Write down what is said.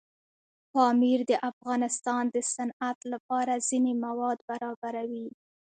پامیر د افغانستان د صنعت لپاره ځینې مواد برابروي.